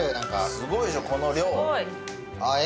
すごいでしょこの量。